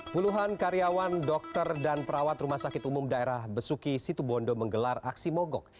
puluhan karyawan dokter dan perawat rumah sakit umum daerah besuki situbondo menggelar aksi mogok